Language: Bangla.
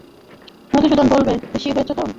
মধুসূদন বললে, খুশি হয়েছ তো?